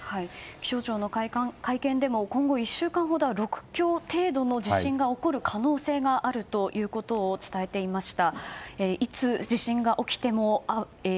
気象庁の会見でも今後１週間ほどは６強程度の地震が起こる可能性があるということを伝えていました。